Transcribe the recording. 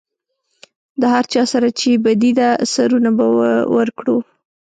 د هر چا سره چې بدي ده سرونه به ورکړو.